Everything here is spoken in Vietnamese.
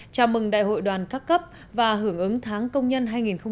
chào mừng đại hội đoàn các cấp và hưởng ứng tháng công nhân hai nghìn một mươi bảy